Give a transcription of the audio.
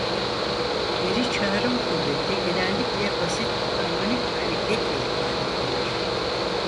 Geri çağırım kuvveti genellikle basit harmonik hareketle ifade edilir.